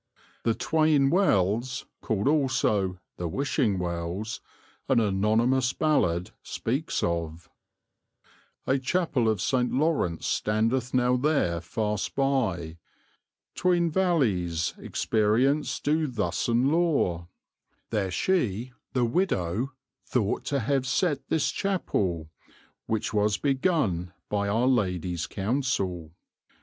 The 'Tweyne Wells,' called also 'the Wishing Wells,' an anonymous ballad speaks of: A chappel of Saynt Laurence standeth now there Fast by, tweyne wallys, experience do thus and lore; There she (the widow) thought to have sette this chappel, Which was begun by our Ladie's Counsel.